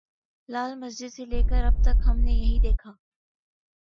لال مسجد سے لے کر اب تک ہم نے یہی دیکھا۔